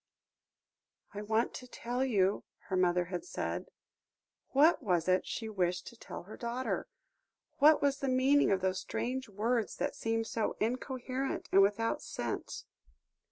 "I want to tell you," her mother had said. What was it she wished to tell her daughter? What was the meaning of those strange words that seemed so incoherent and without sense?